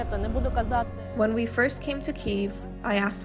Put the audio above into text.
apa yang pertama kamu lakukan ketika melihat ayahmu